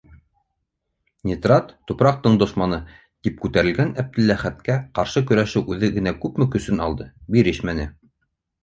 «Нитрат - тупраҡтың дошманы!» - тип күтәрелгән Әптеләхәткә ҡаршы көрәшеү үҙе генә күпме көсөн алды - бирешмәне.